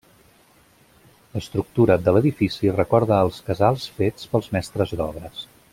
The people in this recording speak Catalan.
L'estructura de l'edifici recorda als casals fets pels mestres d'obres.